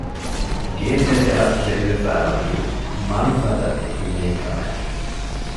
ގޭތެރެއަށް ވެރިވެފައިވަނީ މަރުފަދަ ހިމޭން ކަމެއް